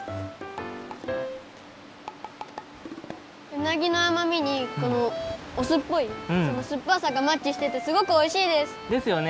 うなぎのあまみにこのおすっぽいすっぱさがマッチしててすごくおいしいです！ですよね。